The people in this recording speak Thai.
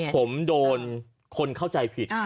ผมโดนคนเข้าใจผิด